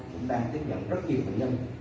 cũng đang tiếp nhận rất nhiều bệnh nhân